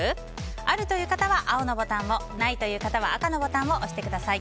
あるという方は青のボタンをないという方は赤のボタンを押してください。